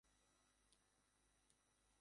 ইহাতে ক্ষেমংকরীর অত্যন্ত কৌতুক বোধ হইল।